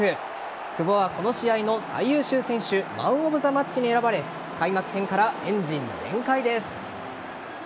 久保は、この試合の最優秀選手マン・オブ・ザ・マッチに選ばれ開幕戦からエンジン全開です。